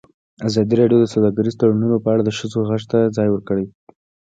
ازادي راډیو د سوداګریز تړونونه په اړه د ښځو غږ ته ځای ورکړی.